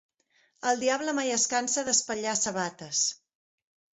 El diable mai es cansa d'espatllar sabates.